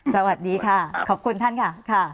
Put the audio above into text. สวัสดีค่ะขอบคุณท่านค่ะ